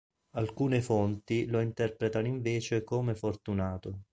Alcune fonti lo interpretano invece come "fortunato".